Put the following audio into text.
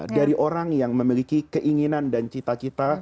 dari orang yang memiliki keinginan dan cita cita